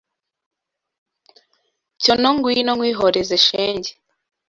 Cyono ngwino nkwihoreze shenge